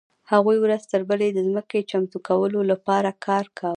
هغوی ورځ تر بلې د ځمکې د چمتو کولو لپاره کار کاوه.